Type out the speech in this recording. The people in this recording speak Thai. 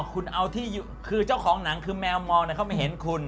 คุณเอาที่คือเจ้าของหนังคือแมวมองเขาไม่เห็นคุณ